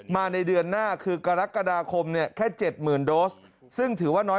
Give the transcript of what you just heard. ในเดือนหน้าคือกรกฎาคมเนี่ยแค่๗๐๐โดสซึ่งถือว่าน้อย